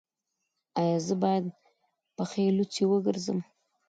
ایا زه باید پښې لوڅې وګرځم؟